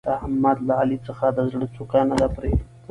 د احمد له علي څخه د زړه څوکه نه ده پرې.